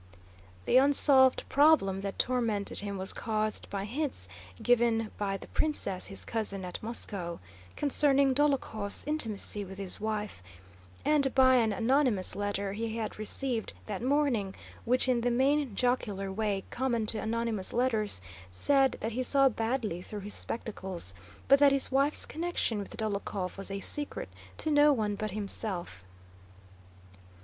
The unsolved problem that tormented him was caused by hints given by the princess, his cousin, at Moscow, concerning Dólokhov's intimacy with his wife, and by an anonymous letter he had received that morning, which in the mean jocular way common to anonymous letters said that he saw badly through his spectacles, but that his wife's connection with Dólokhov was a secret to no one but himself.